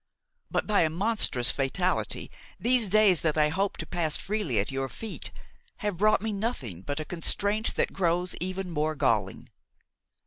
But, by a monstrous fatality, these days that I hoped to pass freely at your feet, have brought me nothing but a constraint that grows ever more galling.